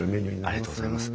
ありがとうございます。